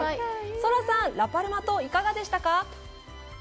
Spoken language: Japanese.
ソラさん、ラ・パルマ島、いかがでしたか？